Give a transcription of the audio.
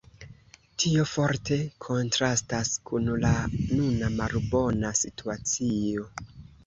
Tio forte kontrastas kun la nuna malbona situacio.